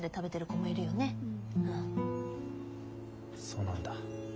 そうなんだ。